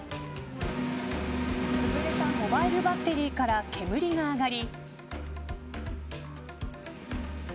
つぶれたモバイルバッテリーから煙が上がり。